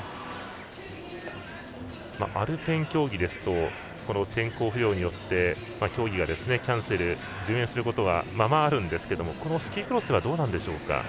アルペン競技ですと天候不良によって競技がキャンセル順延することは間々あるんですがスキークロスではどうなんでしょうか。